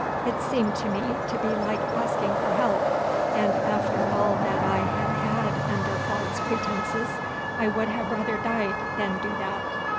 It seemed to me to be like asking for help, and after all that I had had under false pretences I would have rather died than do that."